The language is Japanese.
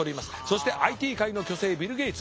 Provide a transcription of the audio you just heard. そしてＩＴ界の巨星ビル・ゲイツ。